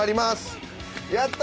やった！